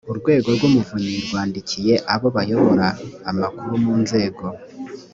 urwego rw umuvunyi rwandikiye abo bayobora amakuru mu nzego